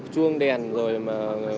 chuông đèn rồi mà